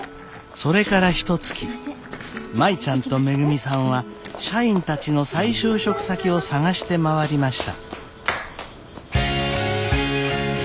それからひとつき舞ちゃんとめぐみさんは社員たちの再就職先を探して回りました。